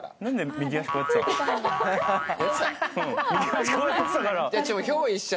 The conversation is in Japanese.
右足こうなってたから。